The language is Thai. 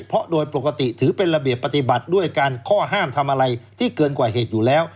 เพราะโดยปกติถือเป็นระเบียบปฏิบัติด้วยการข้อห้ามทำอะไรที่เกินกว่าเหตุอยู่แล้ว